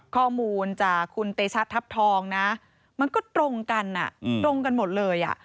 ข้อมูลจากคุณเตชะทัพทองนะมันก็ตรงกันตรงกันหมดเลย